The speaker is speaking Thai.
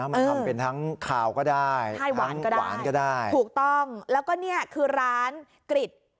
มาทำเป็นทั้งคาวก็ได้ข้าวหวานก็ได้ถูกต้องแล้วก็เนี่ยคือร้านกริจ